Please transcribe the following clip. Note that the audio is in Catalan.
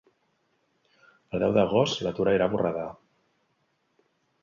El deu d'agost na Tura irà a Borredà.